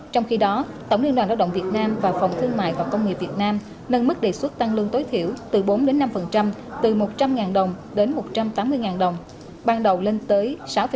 trong khi đó tổng liên đoàn lao động việt nam và phòng thương mại và công nghiệp việt nam nâng mức đề xuất tăng lương tối thiểu từ bốn năm từ một trăm linh đồng đến một trăm tám mươi đồng ban đầu lên tới sáu